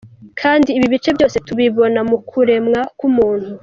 Kandi ibi bice byose tubibona mukurenwa ku muntu.